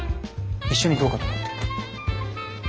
一緒にどうかと思って。